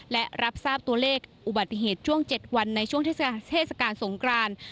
และรับทราบตัวเลขอุบัติเหตุช่วง๗วันในช่วงเทศกาลสงคราน